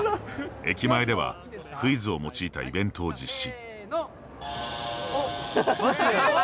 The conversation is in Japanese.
駅前ではクイズを用いたイベントを実施。